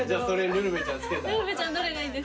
ルルベちゃんどれがいいですか？